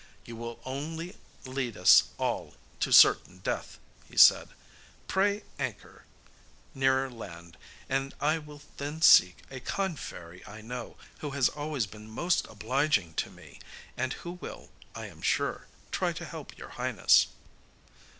'You will only lead us all to certain death,' he said. 'Pray anchor nearer land, and I will then seek a kind fairy I know, who has always been most obliging to me, and who will, I am sure, try to help your Highness.